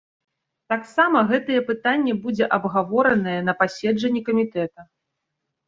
Таксама гэтае пытанне будзе абгаворанае на пасяджэнні камітэта.